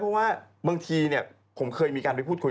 เพราะว่าบางทีผมเคยมีการไปพูดคุย